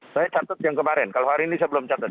saya catat yang kemarin kalau hari ini saya belum catat